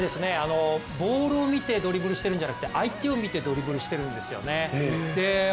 ボールを見てドリブルしてるんじゃなくて相手を見てドリブルしているんですよね。